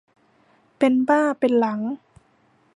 เป็นบ้าเป็นหลัง